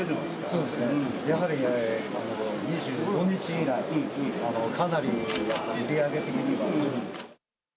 そうですね、やはり、２５日以来、かなりやっぱり売り上げ的には。